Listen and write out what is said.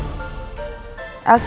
nanti mereka bisa kecewa